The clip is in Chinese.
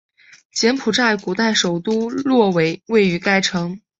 柬埔寨古代首都洛韦位于该城。